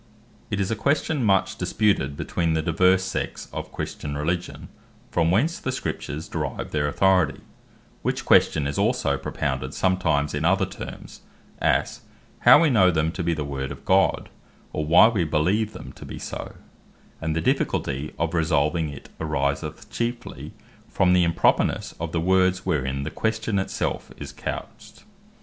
It is a question much disputed between the divers sects of Christian Religion, From Whence The Scriptures Derive Their Authority; which question is also propounded sometimes in other terms, as, How Wee Know Them To Be The Word Of God, or, Why We Beleeve Them To Be So: and the difficulty of resolving it, ariseth chiefly from the impropernesse of the words wherein the question it self is couched.